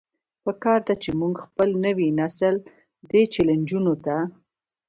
پکار ده چې مونږ خپل نوے نسل دې چيلنجونو ته